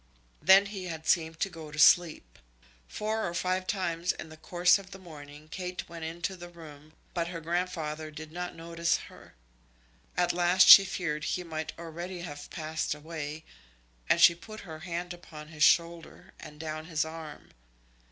Then he had seemed to go to sleep. Four or five times in the course of the morning Kate went into the room, but her grandfather did not notice her. At last she feared he might already have passed away, and she put her hand upon his shoulder, and down his arm.